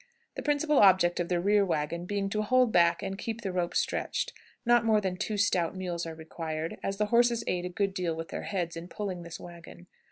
The principal object of the rear wagon being to hold back and keep the rope stretched, not more than two stout mules are required, as the horses aid a good deal with their heads in pulling this wagon.